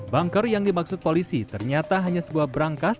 banker yang dimaksud polisi ternyata hanya sebuah berangkas